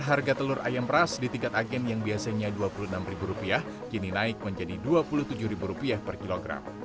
harga telur ayam ras di tingkat agen yang biasanya rp dua puluh enam kini naik menjadi rp dua puluh tujuh per kilogram